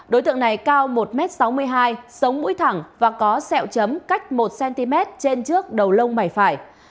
đối tượng này cao một m sáu mươi hai sống mũi thẳng và có sẹo chấm cách một cm trên trước đầu lông mày phải